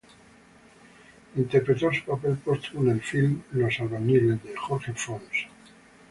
Interpretó su papel póstumo en el filme "Los albañiles", de Jorge Fons.